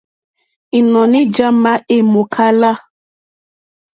Ínɔ̀ní já má èmòkála.